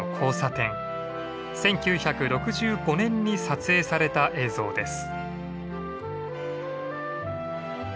１９６５年に撮影された映像です。